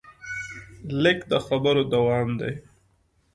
لیک د خبرو دوام دی.